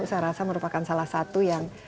saya rasa merupakan salah satu yang